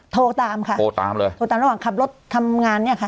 โทรตามระหว่างขับรถทำงานเนี่ยค่ะ